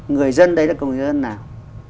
người dân đấy là cộng đồng nào